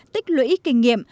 tích lưỡi kinh nghiệm